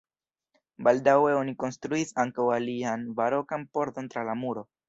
Baldaŭe oni konstruis ankaŭ alian barokan pordon tra la muro.